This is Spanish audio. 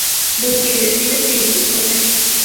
Buffy decide seguir sus consejos.